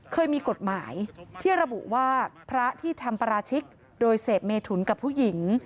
เคยมีกฎหมายที่ระบุว่าพระที่ทำปราชิกโดยเสพเมถุนกับผู้หญิง